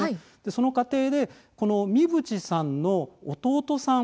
その過程でこの三淵さんの弟さん